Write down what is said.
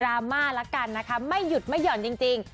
ราม่าละกันนะคะไม่หยุดไม่หย่อนจริง